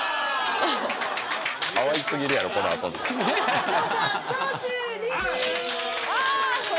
かわいすぎるやろこの遊び勝者・長州力！